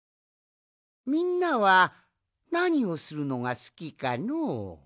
みんなはなにをするのがすきかのう？